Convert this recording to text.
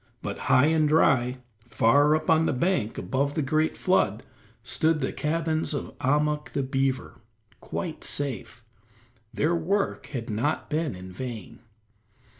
But high and dry, far up on the bank above the great flood, stood the cabins of Ahmuk the beaver, quite safe; their work had not been in vain.